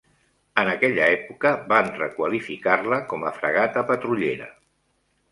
En aquella època, van requalificar-la com a fragata patrullera.